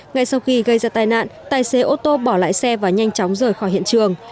ngay sau khi gây ra tai nạn tài xế ô tô bỏ lại xe và nhanh chóng rời khỏi hiện trường